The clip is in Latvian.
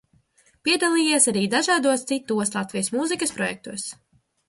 Piedalījies arī dažādos citos Latvijas mūzikas projektos.